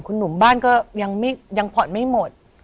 คุณหนุ่มบ้านก็ยังผ่อนไม่หมด